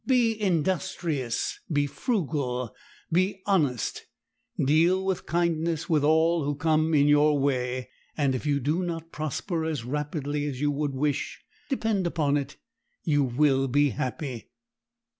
Be industrious, be frugal, be honest, deal with kindness with all who come in your way, and if you do not prosper as rapidly as you would wish depend upon it you will be happy.